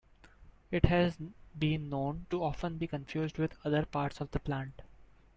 It has been known to often be confused with other parts of the plant.